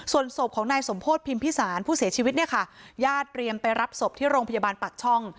ส่วนศพของนายสมโพธิพิมพิสารผู้เสียชีวิตเนี่ยค่ะญาติเตรียมไปรับศพที่โรงพยาบาลปากช่อง